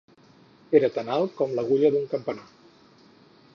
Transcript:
Era tan alt com l'agulla d'un campanar.